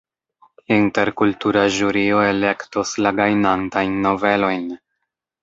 Interkultura ĵurio elektos la gajnantajn novelojn.